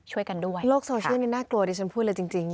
ช่วยกันด้วยโลกโซเชียลนี้น่ากลัวดิฉันพูดเลยจริง